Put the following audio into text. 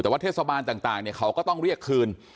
แต่ว่าเทศบาลต่างเนี่ยเขาก็ต้องเรียกคืน